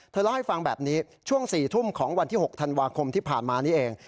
เล่าให้ฟังแบบนี้ช่วง๔ทุ่มของวันที่๖ธันวาคมที่ผ่านมานี่เอง